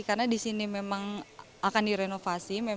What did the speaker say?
karena di sini memang akan direnovasi